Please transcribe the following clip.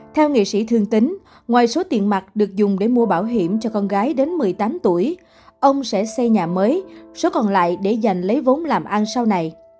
theo nghệ sĩ thương tính ngoài số tiền mặt được dùng để mua bảo hiểm cho con gái đến một mươi tám tuổi ông sẽ xây nhà mới số còn lại để giành lấy vốn làm ăn sau này